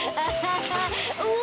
うわ！